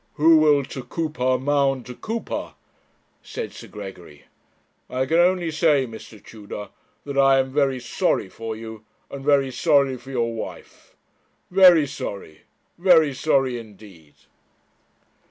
'"Who will to Cupar maun to Cupar,"' said Sir Gregory; 'I can only say, Mr. Tudor, that I am very sorry for you, and very sorry for your wife very sorry, very sorry indeed.'